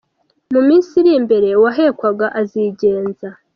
Mu minsi iri imbere, uwahekwaga azigenza.